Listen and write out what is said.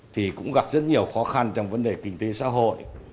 thì cũng gặp rất nhiều khó khăn trong vấn đề kinh tế xã hội